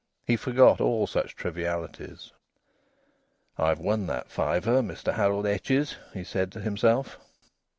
He forgot all such trivialities. "I've won that fiver, Mr Harold Etches," he said to himself.